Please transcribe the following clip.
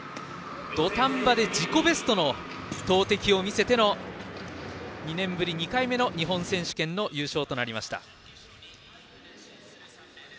土壇場で自己ベストの投てきを見せての２年ぶり２回目の日本選手権の優勝となりました。